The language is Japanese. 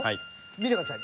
見てください。